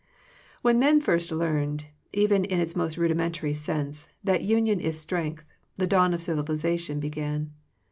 When men first learned, even in its most rudimentary sense, that union is strength, the dawn of civilization began.